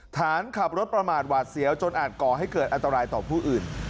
ฐานขับรถประมาทหวาดเสียวจนอาจก่อให้เกิดอันตรายต่อผู้อื่น